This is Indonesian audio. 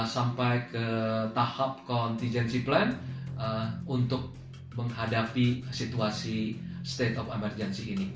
sampai ke tahap contingency plan untuk menghadapi situasi state of emergency ini